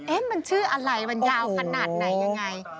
มันชื่ออะไรมันยาวขนาดไหนยังไง